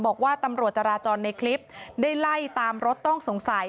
บอกว่าตำรวจจราจรในคลิปได้ไล่ตามรถต้องสงสัย